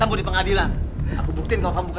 aduh aduh mama